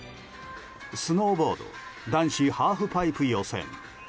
スノーボード男子ハーフパイプ予選。